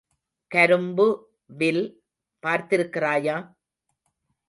கரும்பு வில் பார்த்திருக்கிறாயா?